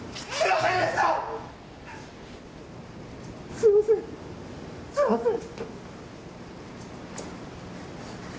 すみませんすみません。